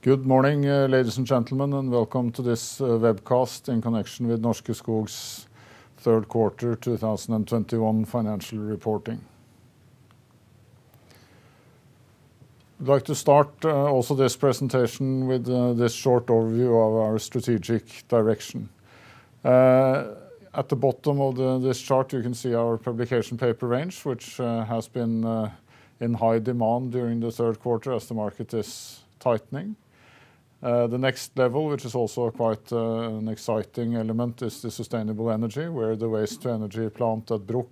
Good morning, ladies and gentlemen, and welcome to this webcast in connection with Norske Skog's Third Quarter 2021 financial reporting. I'd like to start also this presentation with this short overview of our strategic direction. At the bottom of this chart, you can see our publication paper range, which has been in high demand during the third quarter as the market is tightening. The next level, which is also quite an exciting element, is the sustainable energy, where the waste to energy plant at Bruck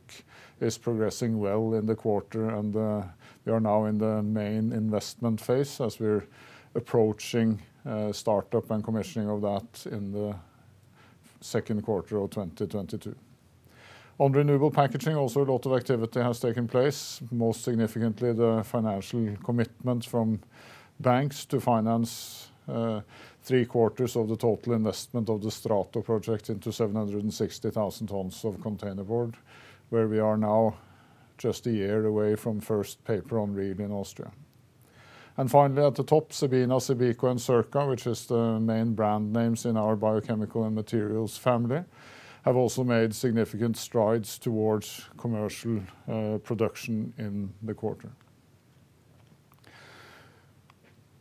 is progressing well in the quarter, and we are now in the main investment phase as we're approaching startup and commissioning of that in the second quarter of 2022. On renewable packaging also a lot of activity has taken place, most significantly the financial commitment from banks to finance three quarters of the total investment of the Strato project into 760,000 tons of containerboard, where we are now just a year away from first paper on reel in Austria. Finally, at the top, CEBINA, CEBICO, and Circa, which is the main brand names in our biochemical and materials family, have also made significant strides towards commercial production in the quarter.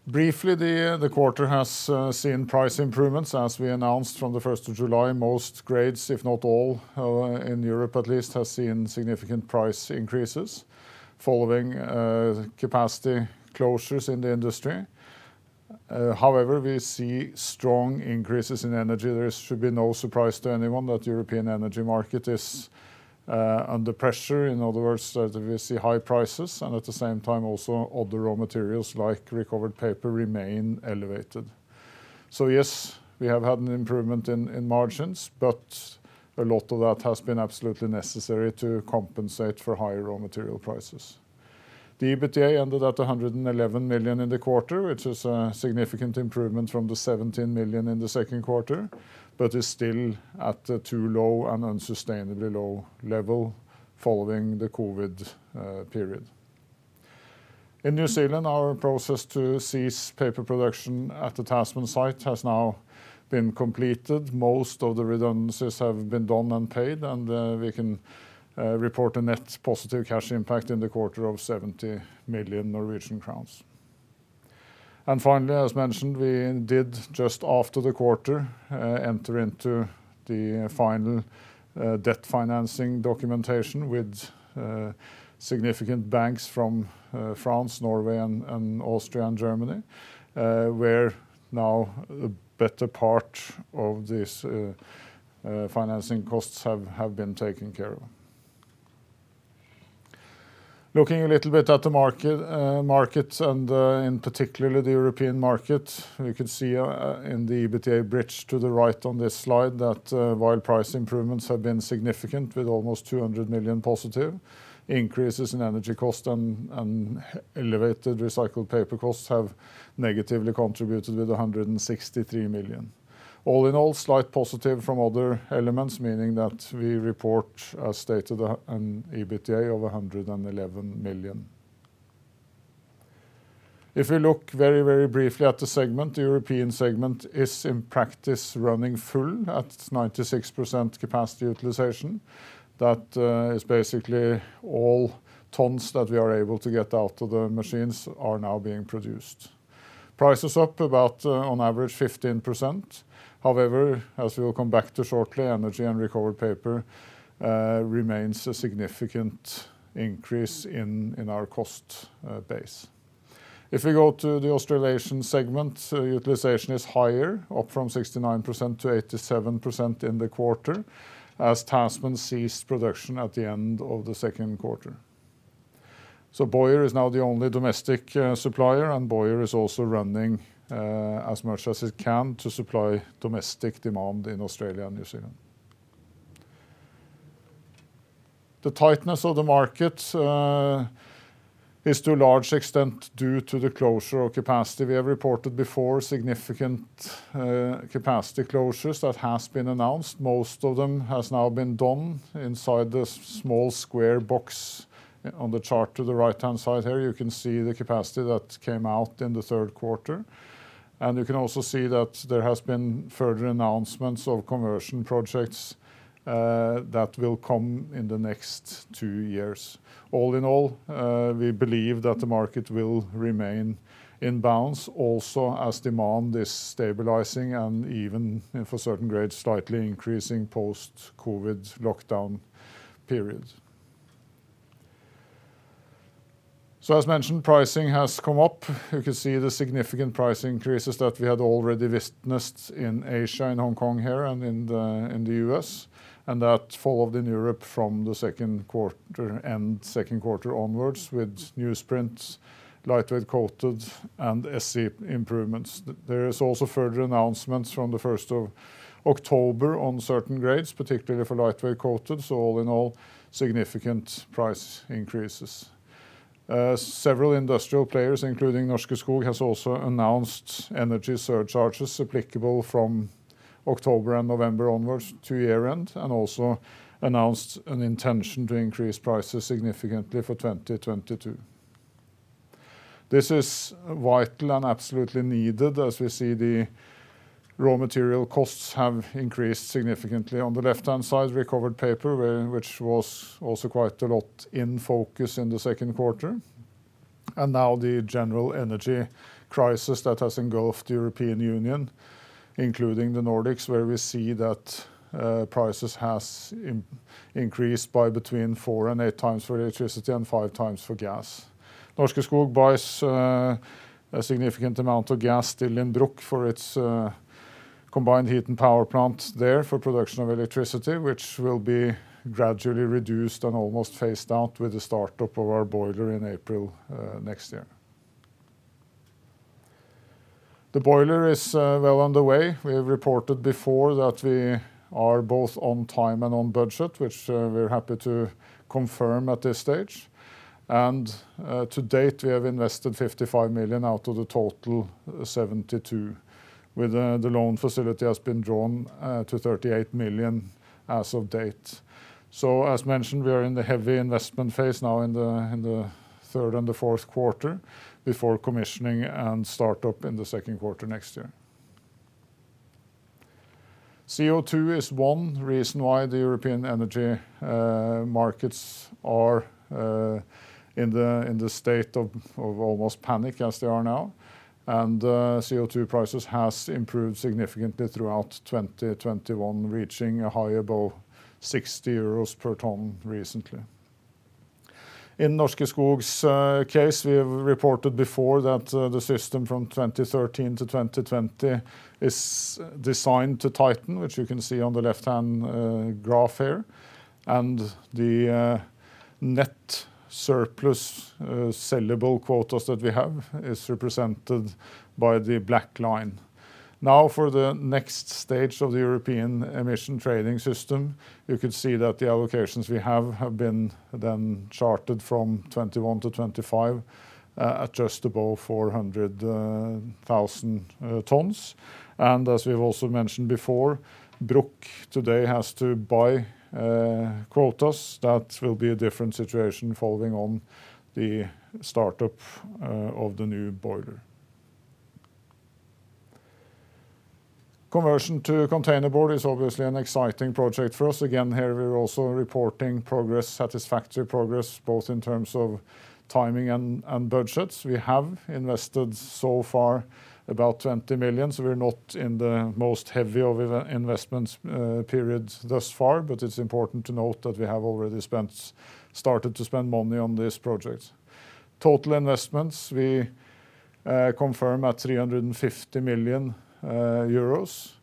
Briefly, the quarter has seen price improvements. As we announced from the 1st of July, most grades, if not all, in Europe at least, have seen significant price increases following capacity closures in the industry. However, we see strong increases in energy. There should be no surprise to anyone that European energy market is under pressure. In other words, that we see high prices, and at the same time also other raw materials like recovered paper remain elevated. Yes, we have had an improvement in margins, but a lot of that has been absolutely necessary to compensate for higher raw material prices. The EBITDA ended at 111 million in the quarter, which is a significant improvement from the 17 million in the second quarter, but is still at a too low and unsustainably low level following the COVID period. In New Zealand, our process to cease paper production at the Tasman site has now been completed. Most of the redundancies have been done and paid, and we can report a net positive cash impact in the quarter of 70 million Norwegian crowns. Finally, as mentioned, we did just after the quarter, enter into the final debt financing documentation with significant banks from France, Norway and Austria and Germany, where now the better part of these financing costs have been taken care of. Looking a little bit at the market, and in particular the European market, you can see in the EBITDA bridge to the right on this slide, that while price improvements have been significant with almost 200 million positive, increases in energy cost and elevated recycled paper costs have negatively contributed with 163 million. All in all, slight positive from other elements, meaning that we report, as stated, an EBITDA of 111 million. If we look very briefly at the segment, the European segment is in practice running full at 96% capacity utilization. That is basically all tons that we are able to get out of the machines are now being produced. Price is up about on average 15%. However, as we will come back to shortly, energy and recovered paper remains a significant increase in our cost base. If we go to the Australasian segment, utilization is higher up from 69%-87% in the quarter as Tasman ceased production at the end of the second quarter. Boyer is now the only domestic supplier, and Boyer is also running as much as it can to supply domestic demand in Australia and New Zealand. The tightness of the market is to a large extent due to the closure of capacity. We have reported before significant capacity closures that has been announced. Most of them has now been done inside the small square box on the chart to the right-hand side here, you can see the capacity that came out in the third quarter. You can also see that there has been further announcements of conversion projects that will come in the next two years. All in all, we believe that the market will remain in bounds also as demand is stabilizing and even for certain grades slightly increasing post-COVID lockdown periods. As mentioned, pricing has come up. You can see the significant price increases that we had already witnessed in Asia, in Hong Kong here, and in the U.S., and that followed in Europe from the second quarter onwards with newsprint, lightweight coated, and SC improvements. There is also further announcements from the 1st of October on certain grades, particularly for lightweight coated. All in all, significant price increases. Several industrial players, including Norske Skog, has also announced energy surcharges applicable from October and November onwards to year-end, and also announced an intention to increase prices significantly for 2022. This is vital and absolutely needed. As we see, the raw material costs have increased significantly. On the left-hand side, recovered paper, which was also quite a lot in focus in the second quarter. Now the general energy crisis that has engulfed the European Union, including the Nordics, where we see that prices have increased by between four and eight times for electricity and five times for gas. Norske Skog buys a significant amount of gas still in Bruck for its combined heat and power plant there for production of electricity, which will be gradually reduced and almost phased out with the start-up of our boiler in April next year. The boiler is well underway. We have reported before that we are both on time and on budget, which we're happy to confirm at this stage. To date, we have invested 55 million out of the total 72 million, with the loan facility has been drawn to 38 million as of date. As mentioned, we are in the heavy investment phase now in the third and the fourth quarter before commissioning and start-up in the second quarter next year. CO2 is one reason why the European energy markets are in the state of almost panic as they are now. CO2 prices has improved significantly throughout 2021, reaching a high above 60 euros per ton recently. In Norske Skog's case, we have reported before that the system from 2013 to 2020 is designed to tighten, which you can see on the left-hand graph here. The net surplus sellable quotas that we have is represented by the black line. For the next stage of the European Emissions Trading System, you could see that the allocations we have have been then charted from 2021 to 2025 at just above 400,000 tons. As we've also mentioned before, Bruck today has to buy quotas. That will be a different situation following on the start-up of the new boiler. Conversion to containerboard is obviously an exciting project for us. Here we're also reporting progress, satisfactory progress, both in terms of timing and budgets. We have invested so far about 20 million, so we're not in the most heavy of investment periods thus far. It's important to note that we have already started to spend money on this project. Total investments, we confirm at 350 million euros,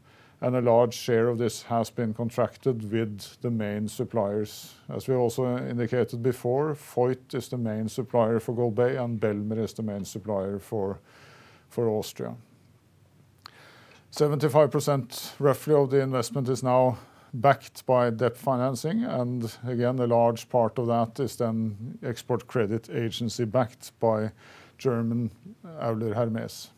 and a large share of this has been contracted with the main suppliers. As we also indicated before, Voith is the main supplier for Golbey, and Bellmer is the main supplier for Austria. 75% roughly of the investment is now backed by debt financing, again, a large part of that is then export credit agency backed by German Euler Hermes.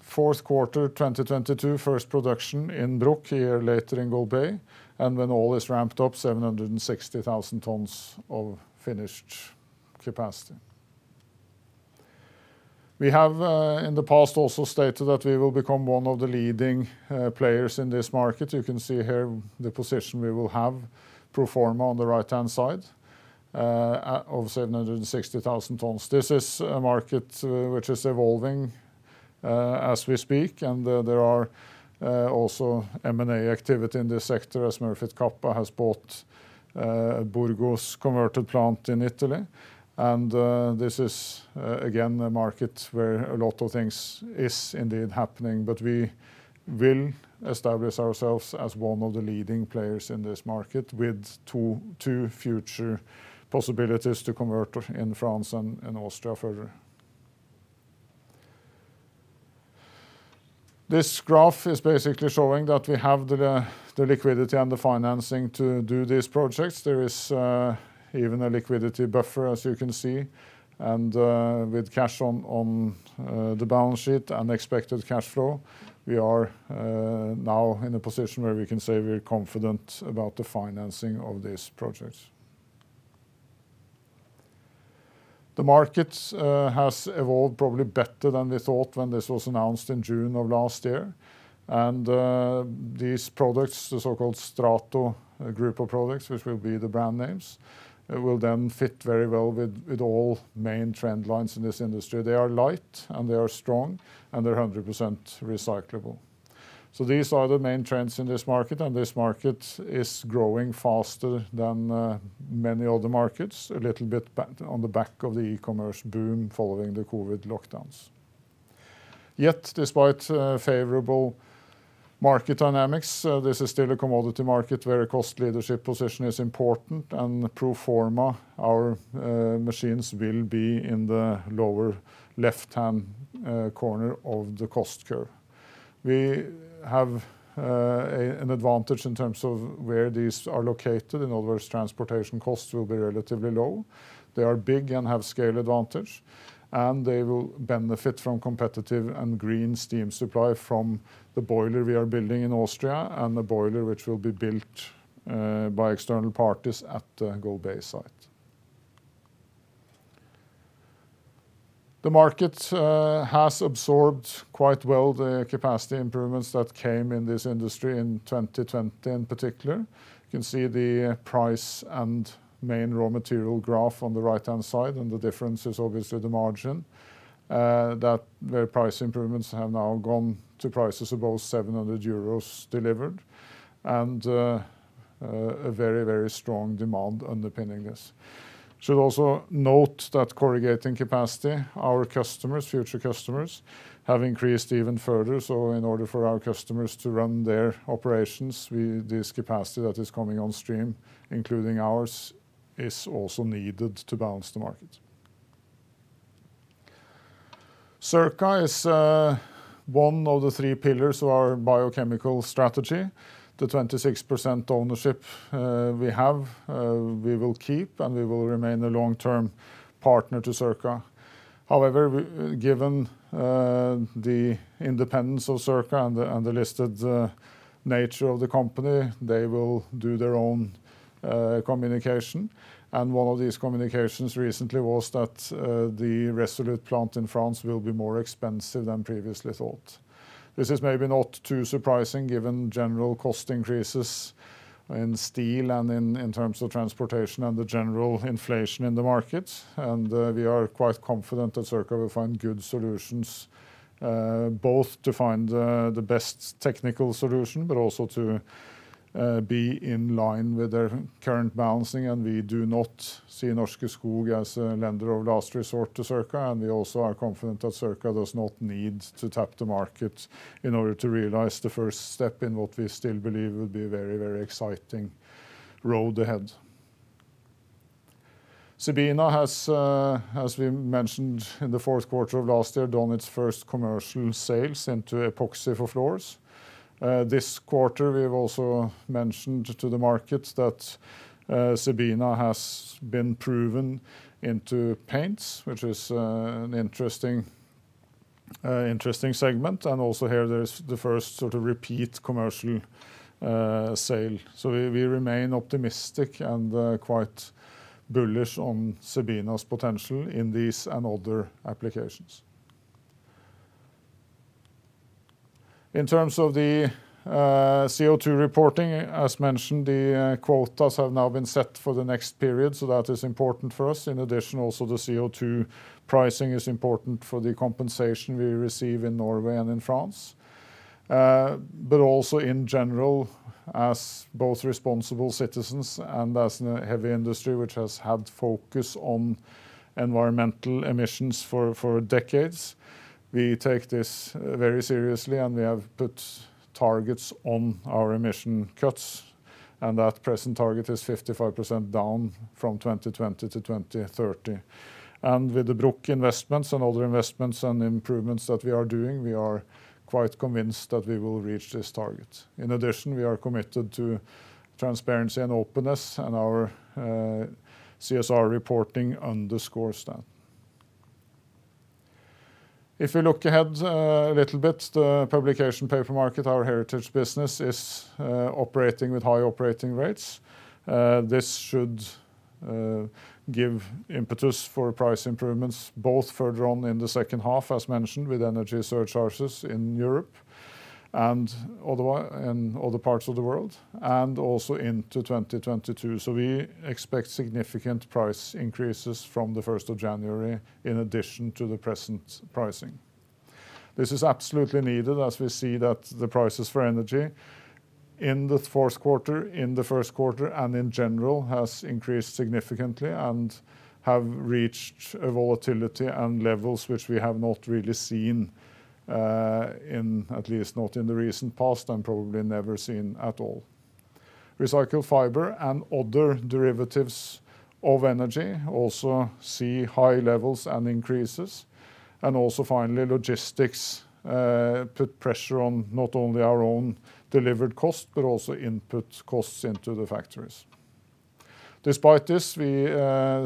Fourth quarter 2022, first production in Bruck, a year later in Golbey, when all is ramped up, 760,000 tons of finished capacity. We have in the past also stated that we will become one of the leading players in this market. You can see here the position we will have pro forma on the right-hand side of 760,000 tons. This is a market which is evolving as we speak. There is also M&A activity in this sector as Smurfit Kappa has bought Burgo's converted plant in Italy. This is again, a market where a lot of things are indeed happening. We will establish ourselves as one of the leading players in this market with two future possibilities to convert in France and Austria further. This graph is basically showing that we have the liquidity and the financing to do these projects. There is even a liquidity buffer, as you can see. With cash on the balance sheet and expected cash flow, we are now in a position where we can say we're confident about the financing of this project. The market has evolved probably better than we thought when this was announced in June of last year. These products, the so-called Strato group of products, which will be the brand names, will then fit very well with all main trend lines in this industry. They are light, and they are strong, and they're 100% recyclable. These are the main trends in this market, and this market is growing faster than many other markets, a little bit on the back of the e-commerce boom following the COVID lockdowns. Despite favorable market dynamics, this is still a commodity market where a cost leadership position is important, and pro forma, our machines will be in the lower left-hand corner of the cost curve. We have an advantage in terms of where these are located. In other words, transportation costs will be relatively low. They are big and have scale advantage. They will benefit from competitive and green steam supply from the boiler we are building in Austria and the boiler which will be built by external parties at the Golbey site. The market has absorbed quite well the capacity improvements that came in this industry in 2020, in particular. You can see the price and main raw material graph on the right-hand side, and the difference is obviously the margin. The price improvements have now gone to prices above 700 euros delivered, and a very strong demand underpinning this. We should also note that corrugating capacity, our future customers, have increased even further. In order for our customers to run their operations, this capacity that is coming on stream, including ours, is also needed to balance the market. Circa is one of the three pillars of our biochemical strategy. The 26% ownership we have, we will keep. We will remain a long-term partner to Circa. However, given the independence of Circa and the listed nature of the company, they will do their own communication. One of these communications recently was that the ReSolute Plant in France will be more expensive than previously thought. This is maybe not too surprising given general cost increases in steel and in terms of transportation and the general inflation in the market. We are quite confident that Circa will find good solutions, both to find the best technical solution, but also to be in line with their current balancing. We do not see Norske Skog as a lender of last resort to Circa, and we also are confident that Circa does not need to tap the market in order to realize the first step in what we still believe will be a very exciting road ahead. CEBINA has, as we mentioned, in the fourth quarter of last year, done its first commercial sales into epoxy for floors. This quarter, we've also mentioned to the market that CEBINA has been proven into paints, which is an interesting segment. Also here, there's the first repeat commercial sale. We remain optimistic and quite bullish on CEBINA's potential in these and other applications. In terms of the CO2 reporting, as mentioned, the quotas have now been set for the next period, so that is important for us. In addition, also the CO2 pricing is important for the compensation we receive in Norway and in France. Also, in general, as both responsible citizens and as a heavy industry which has had focus on environmental emissions for decades, we take this very seriously, and we have put targets on our emission cuts, and that present target is 55% down from 2020 to 2030. With the Bruck investments and other investments and improvements that we are doing, we are quite convinced that we will reach this target. In addition, we are committed to transparency and openness, and our CSR reporting underscores that. If we look ahead a little bit, the publication paper market, our heritage business, is operating with high operating rates. This should give impetus for price improvements both further on in the second half, as mentioned, with energy surcharges in Europe and other parts of the world, and also into 2022. We expect significant price increases from the 1st of January in addition to the present pricing. This is absolutely needed as we see that the prices for energy in the first quarter and in general, has increased significantly and have reached a volatility and levels which we have not really seen, at least not in the recent past, and probably never seen at all. Recycled fiber and other derivatives of energy also see high levels and increases. Also finally, logistics put pressure on not only our own delivered cost, but also input costs into the factories. Despite this, we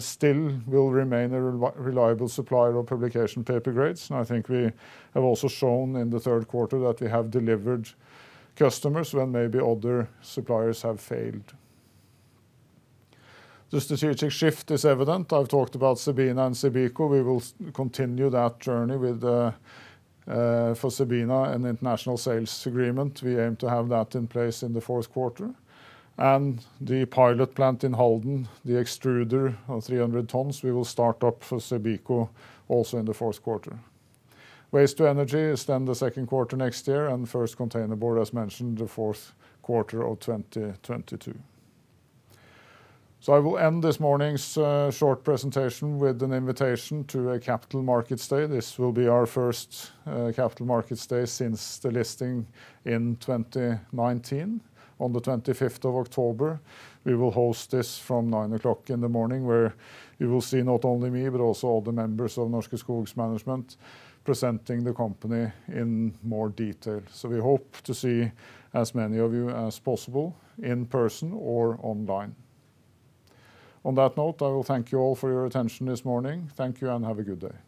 still will remain a reliable supplier of publication paper grades, and I think we have also shown in the third quarter that we have delivered customers when maybe other suppliers have failed. The strategic shift is evident. I've talked about CEBINA and CEBICO. We will continue that journey with, for CEBINA, an international sales agreement. We aim to have that in place in the fourth quarter. The pilot plant in Halden, the extruder of 300 tons, we will start up for CEBICO also in the fourth quarter. Waste to energy is then the second quarter next year. First containerboard, as mentioned, the fourth quarter of 2022. I will end this morning's short presentation with an invitation to a Capital Markets Day. This will be our first Capital Markets Day since the listing in 2019. On the 25th of October, we will host this from 9:00 A.M., where you will see not only me, but also all the members of Norske Skog's management presenting the company in more detail. We hope to see as many of you as possible in person or online. On that note, I will thank you all for your attention this morning. Thank you, and have a good day.